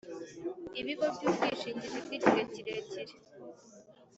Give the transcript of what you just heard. Ibigo by ubwishingizi bw igihe kirekire